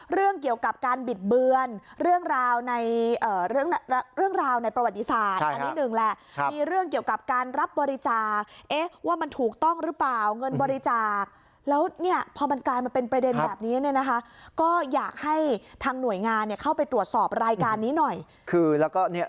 เรื่องเกี่ยวกับการบิดเบือนเรื่องราวในเรื่องราวในประวัติศาสตร์อันนี้หนึ่งแหละมีเรื่องเกี่ยวกับการรับบริจาคเอ๊ะว่ามันถูกต้องหรือเปล่าเงินบริจาคแล้วเนี่ยพอมันกลายมาเป็นประเด็นแบบนี้เนี่ยนะคะก็อยากให้ทางหน่วยงานเนี่ยเข้าไปตรวจสอบรายการนี้หน่อยคือแล้วก็เนี่ย